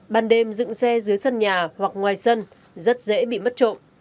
ban đêm dựng xe dưới sân nhà hoặc ngoài sân rất dễ bị mất trộm